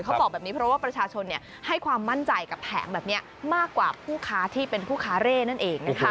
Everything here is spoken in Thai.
เขาบอกแบบนี้เพราะว่าประชาชนให้ความมั่นใจกับแผงแบบนี้มากกว่าผู้ค้าที่เป็นผู้ค้าเร่นั่นเองนะคะ